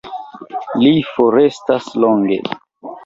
Li forrestas longe.